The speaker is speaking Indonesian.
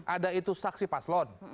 ada itu saksi paslon